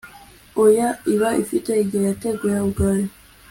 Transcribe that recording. oya, iba ifite igihe yateguye ubwayo